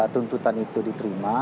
tuntutan itu diterima